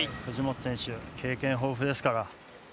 藤本選手経験豊富ですから。